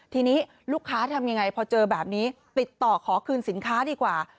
ทีนี้ลูกค้าทำยังไงพอเจอแบบนี้ติดต่อขอคืนสินค้าดีกว่า